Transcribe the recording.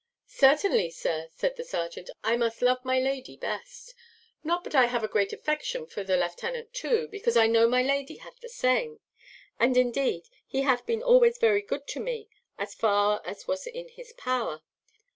"Certainly, sir," said the serjeant, "I must love my lady best. Not but I have a great affection for the lieutenant too, because I know my lady hath the same; and, indeed, he hath been always very good to me as far as was in his power.